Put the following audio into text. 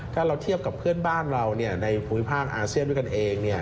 ถ้าเราเทียบกับเพื่อนบ้านเราในภูมิภาคอาเซียนด้วยกันเอง